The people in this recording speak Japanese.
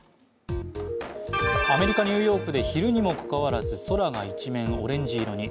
アメリカ・ニューヨークで昼にもかかわらず空が一面、オレンジ色に。